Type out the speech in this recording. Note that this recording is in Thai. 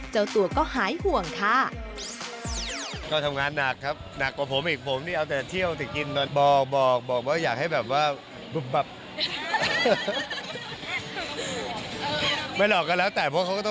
เจ้าตัวก็หายห่วงค่ะ